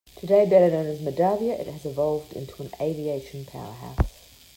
Today better known as Medavia, it has evolved into an aviation powerhouse.